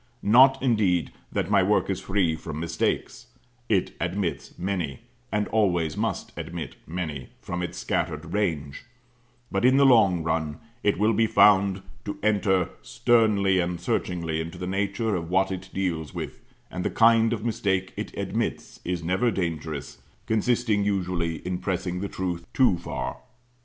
Not, indeed, that my work is free from mistakes; it admits many, and always must admit many, from its scattered range; but, in the long run, it will be found to enter sternly and searchingly into the nature of what it deals with, and the kind of mistake it admits is never dangerous, consisting, usually, in pressing the truth too far.